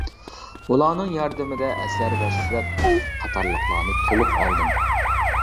ئۇلارنىڭ ياردىمىدە ئەسەر ۋە سۈرەت قاتارلىقلارنى تولۇق ئالدىم!